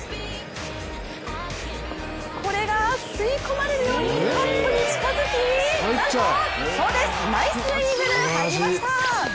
これが吸い込まれるようにカップに近づき、なんとナイスイーグル、入りました！